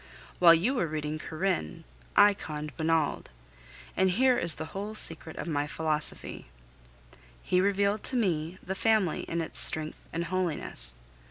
While you were reading Corinne, I conned Bonald; and here is the whole secret of my philosophy. He revealed to me the Family in its strength and holiness.